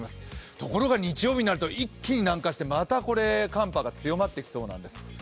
ところが日曜日になると一気に南下して雪が強まりそうなんです。